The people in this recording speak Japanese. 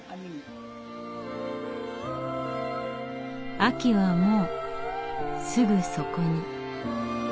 秋はもうすぐそこに。